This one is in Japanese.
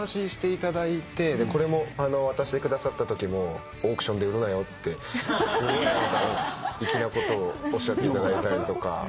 これも渡してくださったときもオークションで売るなよってすごい粋なことをおっしゃっていただいたりとか。